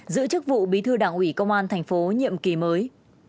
giữ chức vụ bí thư đảng ủy công an tp hcm nhiệm ký mới